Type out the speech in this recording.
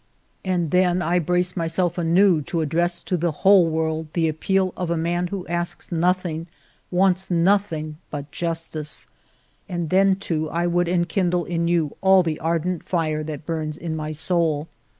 And then I brace myself anew to address to the whole world the appeal of a ALFRED DREYFUS 257 man who asks nothing, wants nothing but jus tice. And then, too, I would enkindle in you all the ardent fire that burns in my soul.